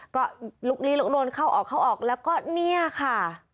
ก็ลุกลี้ลุกลนเข้าออกเข้าออกแล้วก็เนี่ยค่ะ